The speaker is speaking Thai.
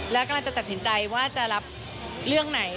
แล้วกำลังจะตัดสินใจว่าจะรับเรื่องไหน